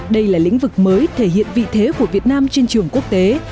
đây là lĩnh vực mới thể hiện vị thế của việt nam trên trường quốc tế